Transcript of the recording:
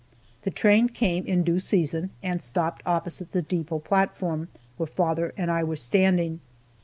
The train came in due season, and stopped opposite the depot platform, where father and I were standing.